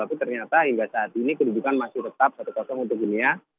tapi ternyata hingga saat ini kedudukan masih tetap satu untuk dunia